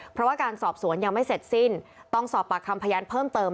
เพราะว่าการสอบสวนยังไม่เสร็จสิ้นต้องสอบปากคำพยานเพิ่มเติม